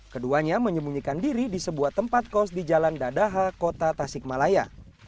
keduanya menyembunyikan diri di sebuah tempat kos di jalan dadaha kota tasikmalaya